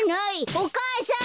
お母さん！